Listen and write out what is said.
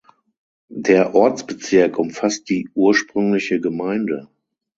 Der Ortsbezirk umfasst die ursprüngliche Gemeinde.